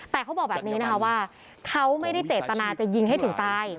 แต่เขาบอกแบบนี้นะคะว่าเขาไม่ได้เจตนาจะยิงให้ถึงตาย